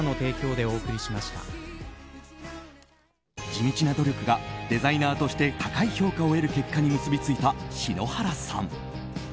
地道な努力がデザイナーとして高い評価を得る結果に結びついた篠原さん。